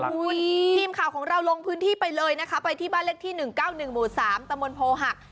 ทีมข่าวของเราลงพื้นที่ไปเลยนะคะไปที่บ้านเลขที่๑๙๑หมู่๓ตะมนตโพหัก